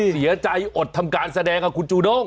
เสียใจอดทำการแสดงอะคุณสุด้ง